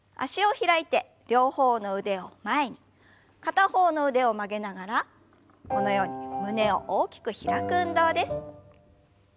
片方の腕を曲げながらこのように胸を大きく開く運動です。